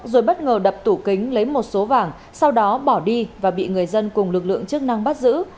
rồi bất ngờ đập tủ kính lấy một số vàng sau đó bỏ đi và bị người dân cùng lực lượng chức năng bắt giữ